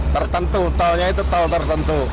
tertentu tolnya itu tol tertentu